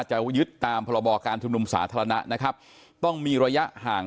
จะยึดตามพรบการชุมนุมสาธารณะนะครับต้องมีระยะห่าง